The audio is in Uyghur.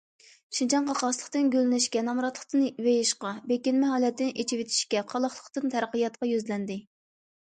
شىنجاڭ قاقاسلىقتىن گۈللىنىشكە، نامراتلىقتىن بېيىشقا، بېكىنمە ھالەتتىن ئېچىۋېتىشكە، قالاقلىقتىن تەرەققىياتقا يۈزلەندى.